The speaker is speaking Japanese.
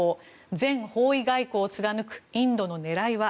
全方位外交を貫くインドの狙いは。